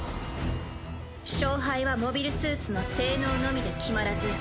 勝敗はモビルスーツの性能のみで決まらず。